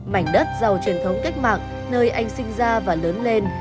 mảnh đất giàu truyền thống cách mạng nơi anh sinh ra và lớn lên